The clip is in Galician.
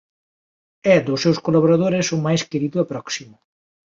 É dos seus colaboradores o máis querido e próximo.